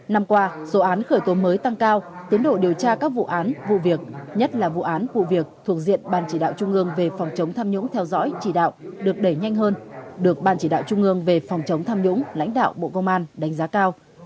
năm qua số án khởi tố mới tăng cao tiến độ điều tra các vụ án vụ việc nhất là vụ án vụ việc thuộc diện ban chỉ đạo trung ương về phòng chống tham nhũng theo dõi chỉ đạo được đẩy nhanh hơn được ban chỉ đạo trung ương về phòng chống tham nhũng lãnh đạo bộ công an đánh giá cao